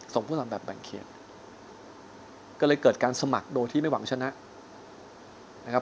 ส่งผู้สมัครแบบแบ่งเขตก็เลยเกิดการสมัครโดยที่ไม่หวังชนะ